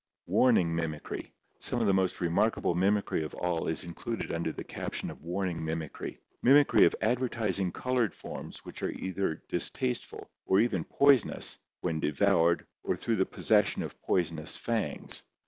Warning Mimicry.— Some of the most remarkable mimicry of all is in cluded under the caption of warning mimicry — mimicry of advertisingly col ored forms which are distasteful or even poisonous either when devoured or through the possession of poisonous fangs.